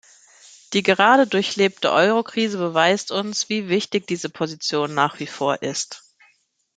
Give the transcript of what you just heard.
Die gerade durchlebte Eurokrise beweist uns, wie wichtig diese Position nach wie vor ist.